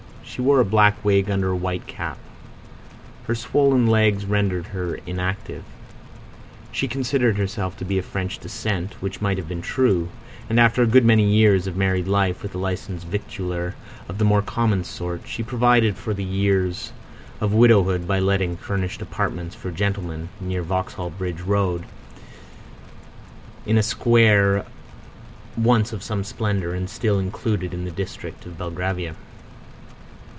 She wore a black wig under a white cap. Her swollen legs rendered her inactive. She considered herself to be of French descent, which might have been true; and after a good many years of married life with a licensed victualler of the more common sort, she provided for the years of widowhood by letting furnished apartments for gentlemen near Vauxhall Bridge Road in a square once of some splendour and still included in the district of Belgravia.